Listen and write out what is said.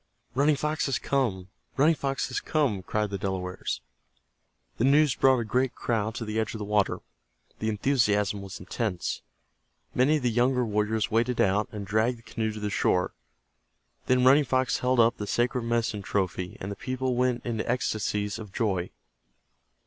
"Running Fox has come! Running Fox has come!" cried the Delawares. The news brought a great crowd to the edge of the water. The enthusiasm was intense. Many of the younger warriors waded out, and dragged the canoe to the shore. Then Running Fox held up the sacred medicine trophy, and the people went into ecstasies of joy.